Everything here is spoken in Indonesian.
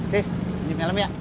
tis ini malam ya